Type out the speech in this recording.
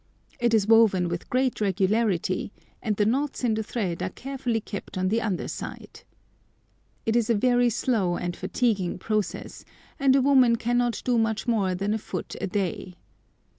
It is woven with great regularity, and the knots in the thread are carefully kept on the under side. It is a very slow and fatiguing process, and a woman cannot do much more than a foot a day.